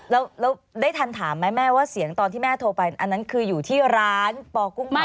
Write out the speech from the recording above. แล้วได้ทันถามไหมแม่ว่าเสียงตอนที่แม่โทรไปอันนั้นคืออยู่ที่ร้านปอกุ้งใหม่